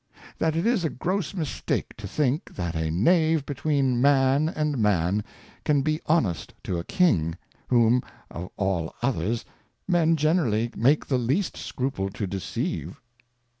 That it is a gross Mistake to think. That a Knave be tween Man and Man, can be honest to a King, whom, of all other. Men generally make the least Scruple to deceive.